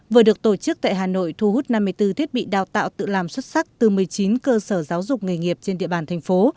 vừa được tổ chức tại hà nội thu hút năm mươi bốn thiết bị đào tạo tự làm xuất sắc từ một mươi chín cơ sở giáo dục nghề nghiệp trên địa bàn thành phố